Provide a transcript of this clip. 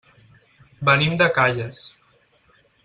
Venim de Calles.